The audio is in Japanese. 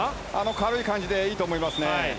軽い感じで、いいと思います。